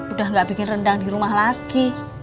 udah gak bikin rendang di rumah lagi